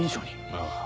ああ。